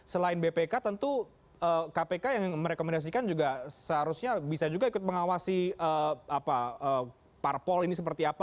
selain bpk tentu kpk yang merekomendasikan juga seharusnya bisa juga ikut mengawasi parpol ini seperti apa